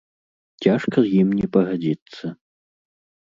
Цяжка з ім не пагадзіцца.